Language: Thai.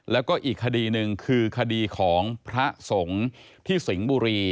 แล้วก็อีกคดีหนึ่งคือคดีของพระสงฆ์ที่สิงห์บุรี